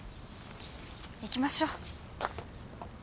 行きましょう。